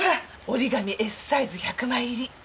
「折り紙Ｓサイズ１００枚入り」。